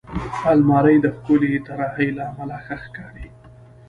الماري د ښکلې طراحۍ له امله ښه ښکاري